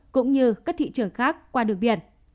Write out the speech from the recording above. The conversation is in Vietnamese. cũng như các thị trường khác qua đường biển